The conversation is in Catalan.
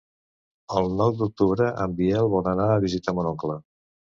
El nou d'octubre en Biel vol anar a visitar mon oncle.